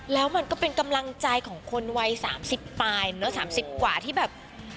แล้วมันก็เป็นกำลังใจของคนวัย๓๐ปลายเนอะ๓๐กว่าที่แบบ